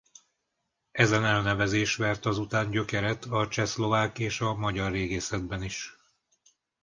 Ezen elnevezés vert azután gyökeret a csehszlovák és a magyar régészetben is.